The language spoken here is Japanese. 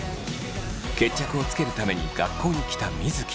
決着をつけるために学校に来た水城。